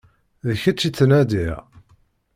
D kečč i ttnadiɣ.